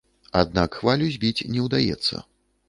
Аднак хвалю збіць не ўдаецца.